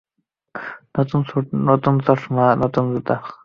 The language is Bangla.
নতুন স্যুট, চশমা, জুতা।